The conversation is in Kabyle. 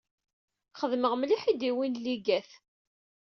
Xdmeɣ mliḥ i d-yewwin lligat.